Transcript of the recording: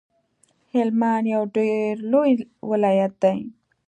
هلمند یو ډیر لوی ولایت دی